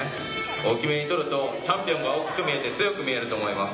大きめに撮るとチャンピオンが大きく見えて強く見えると思います